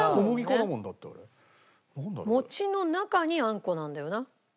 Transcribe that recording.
餅の中にあんこなんだよな。